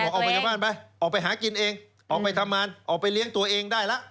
ออกมาจากบ้านไปออกไปหากินเองออกไปทำงานออกไปเลี้ยงตัวเองได้แล้ว